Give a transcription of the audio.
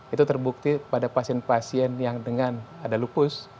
itu terbukti pada pasien pasien yang dengan ada lupus